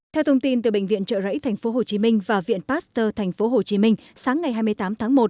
theo thông tin từ bệnh viện trợ rẫy tp hcm và viện pasteur tp hcm sáng ngày hai mươi tám tháng một